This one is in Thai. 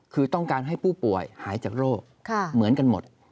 คือต้องการให้ผู้ป่วยหายจากโรคเหมือนกันหมด